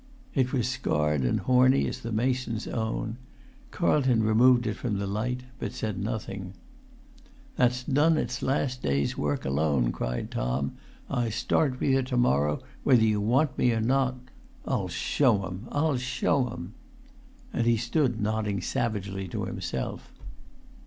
It was scarred and horny as the mason's own. Carlton removed it from the light, but said nothing. "That's done its last day's work alone," cried Tom. "I start with you to morrow, whether you want me or not. I'll show 'em! I'll show 'em!" And he stood nodding savagely to himself.